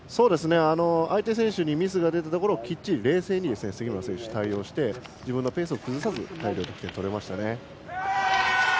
相手選手にミスが出たところをきっちり冷静に杉村選手、対応して自分のペースを崩さず大量得点が取れましたね。